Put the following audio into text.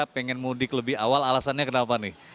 pengen mudik lebih awal alasannya kenapa nih